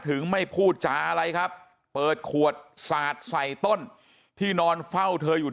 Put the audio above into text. ไม่พูดจาอะไรครับเปิดขวดสาดใส่ต้นที่นอนเฝ้าเธออยู่